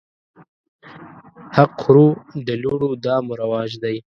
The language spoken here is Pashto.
حق خورو د لوڼو دا مو رواج دی